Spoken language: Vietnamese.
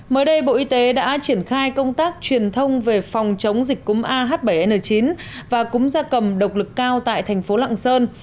mới đây bộ y tế đã triển khai công tác truyền thông về phòng chống dịch cúm ah bảy n chín và cúng gia cầm độc lực cao tại thành phố lạng sơn